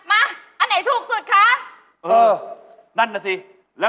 อันนี้ถูกที่สุด